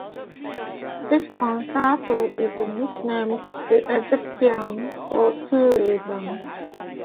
This concerto is nicknamed "The Egyptian" for two reasons.